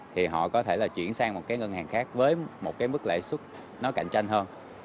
thì họ có thể là chuyển sang một cái ngân hàng khác với một cái mức lãi suất nó cạnh tranh hơn